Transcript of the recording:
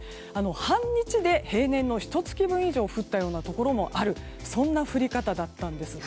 半日で平年のひと月分以上降ったところもあるそんな降り方だったんです。